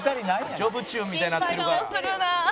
「『ジョブチューン』みたいになってるから」